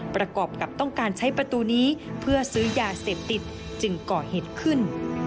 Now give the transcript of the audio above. ประกอบกับต้องการใช้ประตูนี้เพื่อซื้อยาเสพติดจึงก่อเหตุขึ้น